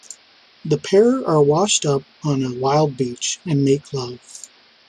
The pair are washed up on a wild beach, and make love.